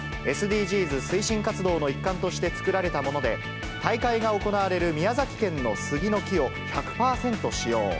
ＳＤＧｓ推進活動の一環として作られたもので、大会が行われる宮崎県の杉の木を１００％使用。